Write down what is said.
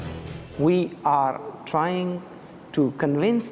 kita mencoba untuk memastikan dunia